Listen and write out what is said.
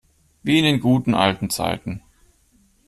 Wie in den guten, alten Zeiten!